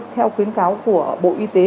theo khuyến cáo của bộ y tế